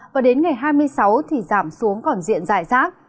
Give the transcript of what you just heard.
và đến ngày hai mươi sáu thì giảm xuống còn diện dài rác